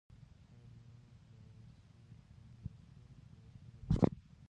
آیا د ایران انفلاسیون یوه ستونزه نه ده؟